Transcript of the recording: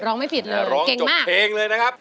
ร้องไม่ผิดเลยเก่งมากหลัก